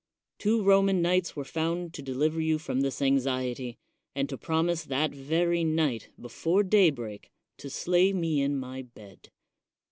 Two Roman knights were found to deliver you from this anxiety, and to promise that very night, before daybreak, to slay me in my bed.